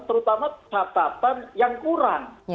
terutama catatan yang kurang